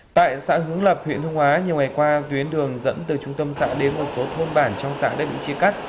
tại xã hướng lập huyện hương hóa nhiều ngày qua tuyến đường dẫn từ trung tâm xã đến một số thôn bản trong xã đã bị chia cắt